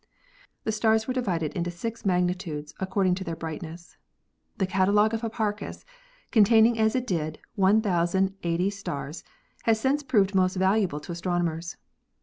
The stars were divided into six mag nitudes, according to their brightness. The catalogue of Hipparchus, containing as it did 1,080 stars, has since proved most valuable to astronomers.